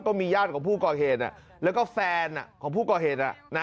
ญาติของผู้ก่อเหตุแล้วก็แฟนของผู้ก่อเหตุ